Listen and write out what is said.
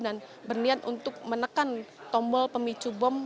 dan berniat untuk menekan tombol pemicu bom